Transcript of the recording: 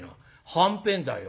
「はんぺんだよ」。